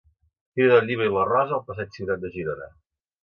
Fira del Llibre i la Rosa al passeig Ciutat de Girona.